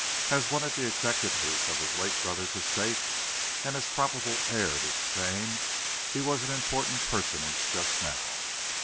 As one of the executors of his late brother's estate, and as probable heir to the same, he was an important personage just now.